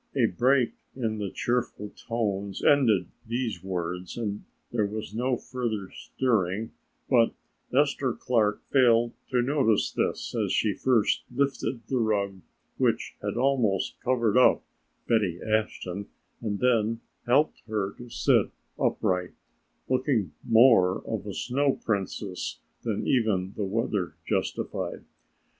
A break in the cheerful tones ended these words and there was no further stirring, but Esther Clark failed to notice this, as she first lifted the rug which had almost covered up Betty Ashton and then helped her to sit upright, looking more of a Snow Princess than even the weather justified.